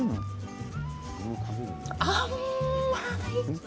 甘い！